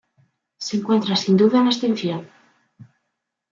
Se encuentra sin duda en extinción.